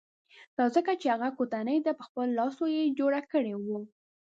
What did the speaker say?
دا ځکه چې هغه کوټنۍ ده چې په خپلو لاسو یې جوړه کړې وه.